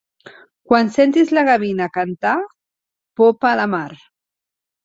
Quan sentis la gavina cantar, popa a la mar.